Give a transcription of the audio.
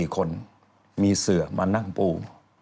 ๔คนมีเสือมานั่งปู